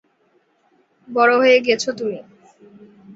বড় হয়ে গেছ তুমি।